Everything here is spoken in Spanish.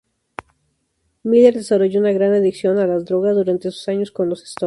Miller desarrollo una gran adicción a las drogas durante sus años con los Stones.